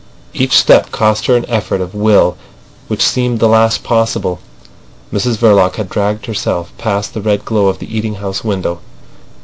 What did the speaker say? Each step cost her an effort of will which seemed the last possible. Mrs Verloc had dragged herself past the red glow of the eating house window.